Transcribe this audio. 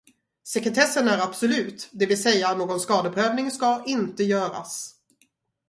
Sekretessen är absolut, det vill säga någon skadeprövning ska inte göras.